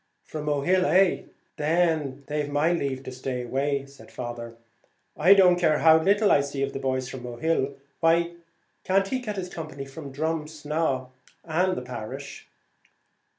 "From Mohill, eh? then they've my leave to stay away; I don't care how little I see of the boys from Mohill. Why can't he get his company from Drumsna and the parish?"